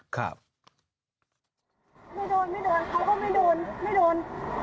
ไม่อโดนไม่อโดน